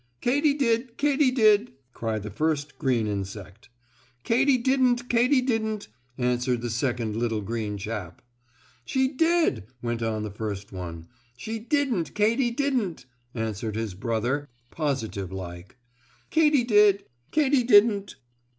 "Katy did! Katy did!" cried the first green insect. "Katy didn't! Katy didn't!" answered the second little green chap. "She did!" went on the first one. "She didn't! Katy didn't!" answered his brother, positive like. "Katy did!" "Katy didn't!"